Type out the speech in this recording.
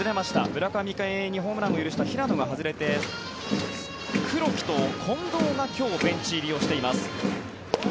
村上宗隆にホームランを許した平野が外れて黒木と近藤が今日、ベンチ入りをしています。